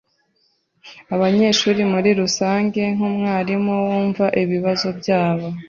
Abanyeshuri muri rusange nkumwarimu wumva ibibazo byabo.